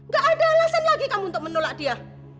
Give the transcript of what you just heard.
gak ada alasan lagi kamu untuk menolak dia